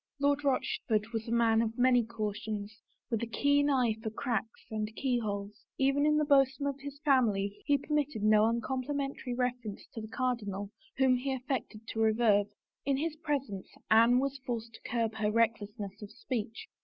Lord Rochford was a man of many cautions, with a keen eye for cracks and keyholes; even in the bosom of his family he permitted no uncomplimentary refer ence to the cardinal whom he affected to revere. In his presence Anne was forced to curb her recklessness of speech.